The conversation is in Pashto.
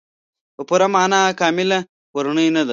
په پوره معنا کامله کورنۍ نه ده.